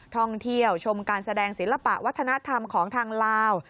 ท่องเที่ยวชมการแสดงศิลปะวัฒนธรรมของทางลาว